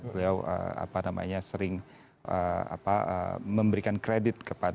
beliau apa namanya sering apa memberikan kredit kepada